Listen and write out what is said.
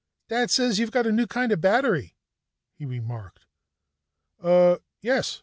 "Dad says you've got a new kind of battery," he remarked. "Uh.... Yes.